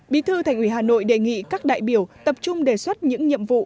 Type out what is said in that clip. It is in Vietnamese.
bí thư thành ủy hà nội đề nghị các đại biểu tập trung đề xuất những nhiệm vụ